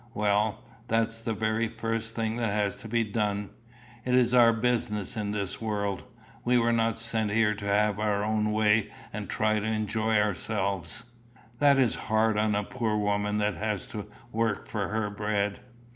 "Well, that's the very first thing that has to be done. It is our business in this world. We were not sent here to have our own way and try to enjoy ourselves." "That is hard on a poor woman that has to work for her bread."